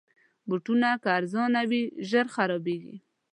بوټونه که ارزانه وي، ژر خرابیږي.